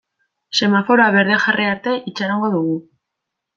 Semaforoa berde jarri arte itxarongo dugu.